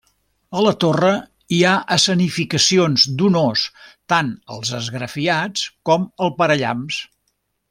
A la torre hi ha escenificacions d'un ós tant als esgrafiats com al parallamps.